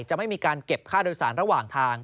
จะไม่มีการเก็บค่าโดยสารระหว่างทาง